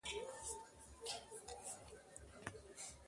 Pku mai me piahra iŋ dǝra sǝ̃ǝ̃be.